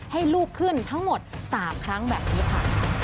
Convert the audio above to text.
ให้ลูกขึ้นทั้งหมด๓ครั้งแบบนี้ค่ะ